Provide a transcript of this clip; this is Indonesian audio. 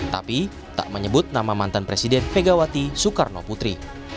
tapi tak menyebut nama mantan presiden vegawati soekarno putri